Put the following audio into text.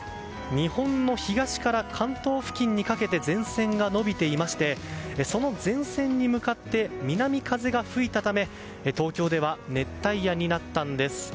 日本の東から関東付近にかけて前線が延びていましてその前線に向かって南風が吹いたため東京では熱帯夜になったんです。